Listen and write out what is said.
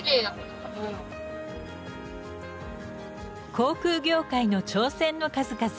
航空業界の挑戦の数々。